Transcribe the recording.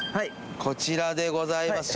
こちらでございます。